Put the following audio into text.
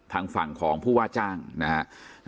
ทั้งฝั่งของผู้ว่าจ้างนะฮะ